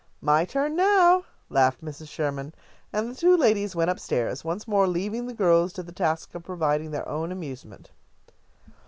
"My turn now," laughed Mrs. Sherman. And the two ladies went up stairs, once more leaving the girls to the task of providing their own amusement.